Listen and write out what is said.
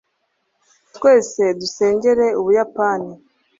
twese dusengera ubuyapani